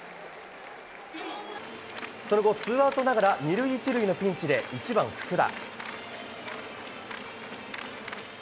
その後、ツーアウトながら２塁１塁のピンチで１番、福田。